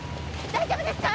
大丈夫ですか！？